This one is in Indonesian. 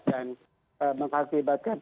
dan menghasilkan penderitaan bagi bangsa itu